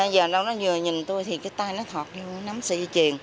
giờ nó vừa nhìn tôi thì cái tay nó thọt vô nắm xì truyền